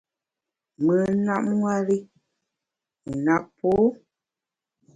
Mùn nap nwer i, wu nap pô.